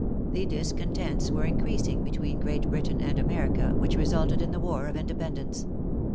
The discontents were increasing between Great Britain and America, which resulted in the war of Independence.